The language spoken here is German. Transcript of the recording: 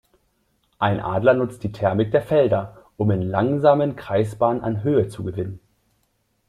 Ein Adler nutzt die Thermik der Felder, um in langsamen Kreisbahnen an Höhe zu gewinnen.